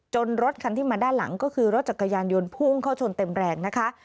รถคันที่มาด้านหลังก็คือรถจักรยานยนต์พุ่งเข้าชนเต็มแรงนะคะ